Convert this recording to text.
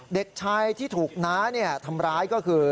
เด็กชายที่ถูกน้าทำร้ายก็คือ